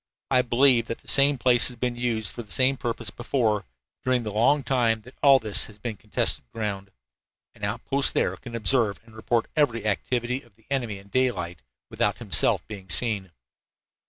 I believe that the same place has been used for the same purpose before, during the long time that all this has been contested ground. An outpost there can observe and report every activity of the enemy in daylight, without himself being seen."